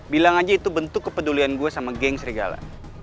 bilang aja itu bentuk kepedulian gue sama geng serigala